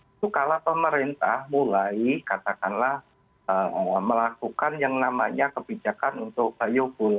itu kalau pemerintah mulai katakanlah melakukan yang namanya kebijakan untuk biobul